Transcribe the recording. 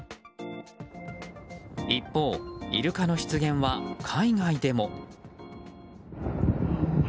一方、イルカの出現は海外でも。